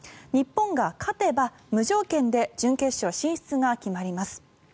日本が勝てば無条件で準決勝進出が決まります。